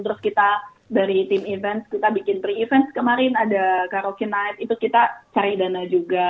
terus kita dari tim event kita bikin pre event kemarin ada karaoke night itu kita cari dana juga